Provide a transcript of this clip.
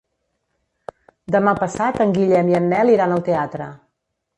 Demà passat en Guillem i en Nel iran al teatre.